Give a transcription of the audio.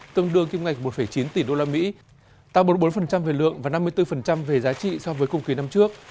tương đương kim ngạch một chín tỷ usd tăng bốn mươi bốn về lượng và năm mươi bốn về giá trị so với cùng kỳ năm trước